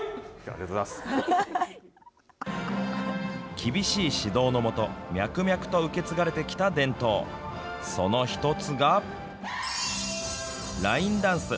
厳しい指導の下脈々と受け継がれてきた伝統その１つがラインダンス。